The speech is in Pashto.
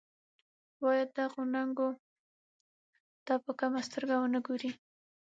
باید دغو ننګونو ته په کمه سترګه ونه ګوري.